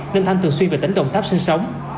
nên thanh thường xuyên về tỉnh đồng tháp sinh sống